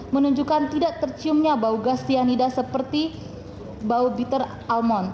menunjukkan tidak terciumnya bau gas cyanida seperti bau bitter almond